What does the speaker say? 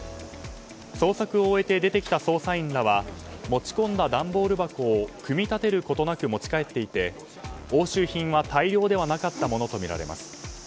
捜索を終えて出てきた捜査員らは持ち込んだ段ボール箱を組み立てることなく持ち帰っていて押収品は大量ではなかったものとみられます。